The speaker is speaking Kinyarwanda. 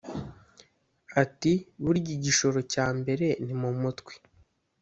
Ati”Burya igishoro cya mbere ni mu mutwe